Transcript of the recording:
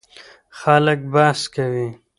خلک بحث کوي.